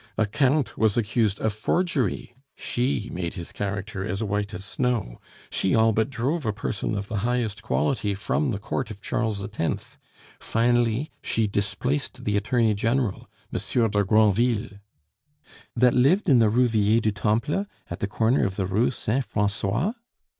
A count was accused of forgery she made his character as white as snow. She all but drove a person of the highest quality from the Court of Charles X. Finally, she displaced the Attorney General, M. de Granville " "That lived in the Rue Vieille du Temple, at the corner of the Rue Saint Francois?"